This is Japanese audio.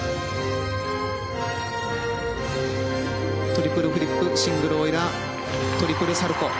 トリプルフリップシングルオイラートリプルサルコウ。